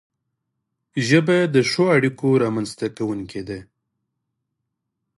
ژبه د ښو اړیکو رامنځته کونکی ده